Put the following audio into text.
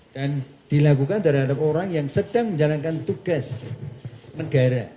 dan dilakukan dari orang yang sedang menjalankan tugas negara